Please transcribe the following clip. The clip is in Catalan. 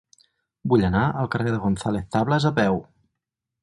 Vull anar al carrer de González Tablas a peu.